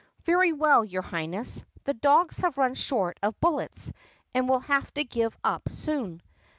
"Very well, your Highness. The dogs have run short of bullets and will have to give up soon."